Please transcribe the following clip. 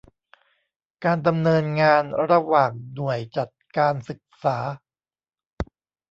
การดำเนินงานระหว่างหน่วยจัดการศึกษา